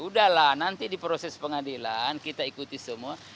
udahlah nanti di proses pengadilan kita ikuti semua